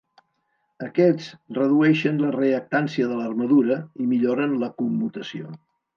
Aquests redueixen la reactància de l'armadura i milloren la commutació.